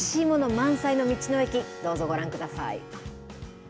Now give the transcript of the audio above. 満載の道の駅、どうぞご覧ください。